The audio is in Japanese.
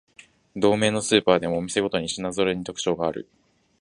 同名のスーパーでもお店ごとに品ぞろえに特徴がある